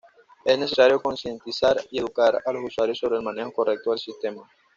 Es necesario concientizar y educar a los usuarios sobre el manejo correcto del sistema.